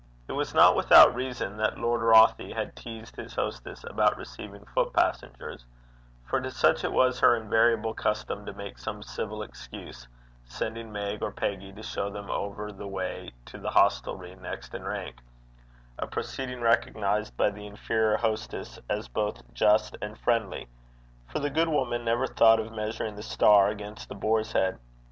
It was not without reason that Lord Rothie had teased his hostess about receiving foot passengers, for to such it was her invariable custom to make some civil excuse, sending Meg or Peggy to show them over the way to the hostelry next in rank, a proceeding recognized by the inferior hostess as both just and friendly, for the good woman never thought of measuring The Star against The Boar's Head.